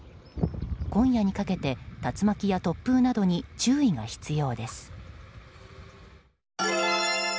今夜にかけて竜巻や突風などに注意が必要です。